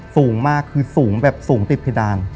สูงมากคือสูงแบบสูงติดเพดาน